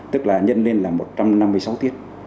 tức là nhân lên là một trăm năm mươi sáu tiết